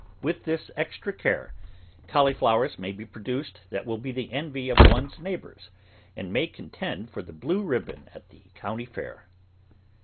With this extra care, cauliflowers may be produced that will be the envy of one's neighbours, and may contend for the blue ribbon at the county fair.